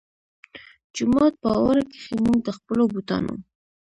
جومات پۀ ورۀ کښې مونږ د خپلو بوټانو